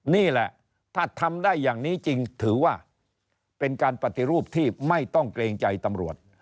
นี่แหละถ้าทำได้อย่างนี้จริงถือว่าเป็นการปฏิรูปที่ไม่ต้องเกรงใจตำรวจ